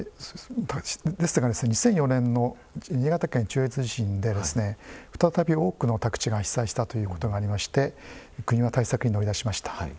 ２００４年の新潟県中越地震で再び多くの宅地が被災したということがありまして国は対策に乗り出しました。